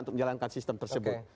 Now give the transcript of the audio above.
untuk menjalankan sistem tersebut